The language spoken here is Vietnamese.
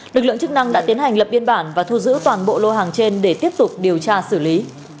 lực lượng chức năng đã tiến hành lập biên bản và thu giữ toàn bộ lô hàng trên để tiếp tục điều tra xử lý